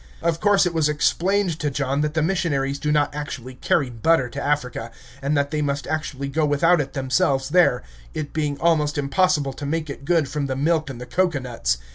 Of course it was explained to John that the missionaries do not actually carry butter to Africa, and that they must usually go without it themselves there, it being almost impossible to make it good from the milk in the cocoanuts.